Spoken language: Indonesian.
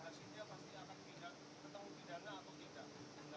tidak bisa ketemu pidana